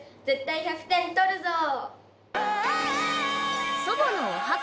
絶対１００点とるぞ！